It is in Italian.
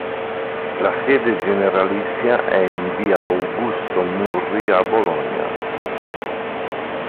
La sede generalizia è in via Augusto Murri a Bologna.